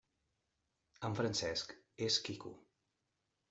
En Francesc és quico.